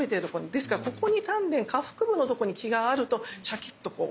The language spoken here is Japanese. ですからここに丹田下腹部のとこに気があるとシャキッとこう。